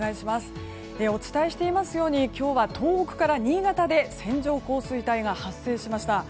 お伝えしていますように今日は東北から新潟で線状降水帯が発生しました。